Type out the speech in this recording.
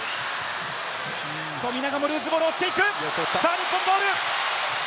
富永もルーズボールを追っていく、日本ボール！